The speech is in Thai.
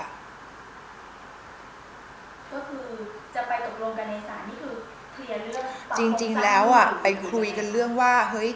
ก็คือจะไปตกลงกันในสารที่คือทีเรื่องปรากฏจันทร์